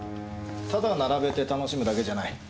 ただ並べて楽しむだけじゃない。